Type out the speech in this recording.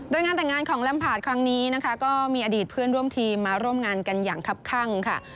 โดยงานแต่งงานของลัมพาดครั้งนี้นะคะก็มีอดีตเพื่อนร่วมทีมมาร่วมงานกันอย่างคับข้างค่ะ